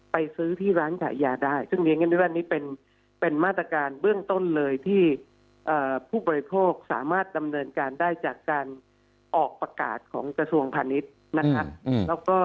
ไปซื้อที่ร้านขายยาได้ซึ่งเรียนกันได้ว่านี่เป็นมาตรการเบื้องต้นเลยที่ผู้บริโภคสามารถดำเนินการได้จากการออกประกาศของกระทรวงพาณิชย์นะครับ